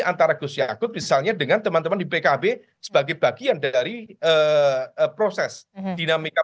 antara gus yakut misalnya dengan teman teman di pkb sebagai bagian dari proses dinamika